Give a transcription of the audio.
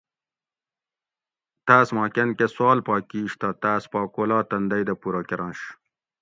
تاۤس ما کن کہ سوال پا کِیش تہ تاۤس پا کولا تندئ دہ پُورہ کرنش